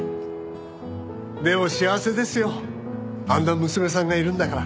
でも幸せですよあんな娘さんがいるんだから。